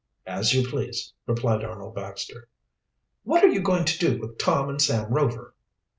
"As you please," replied Arnold Baxter. "What are you going to do with Tom and Sam Rover?"